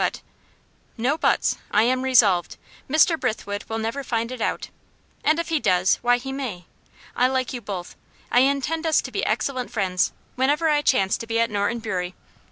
But " "No 'buts.' I am resolved. Mr. Brithwood will never find it out. And if he does why, he may. I like you both; I intend us to be excellent friends, whenever I chance to be at Norton Bury.